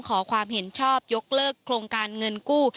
ขอความเห็นชอบยกเลิกโครงการเงินกู้